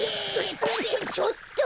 ちょちょっと。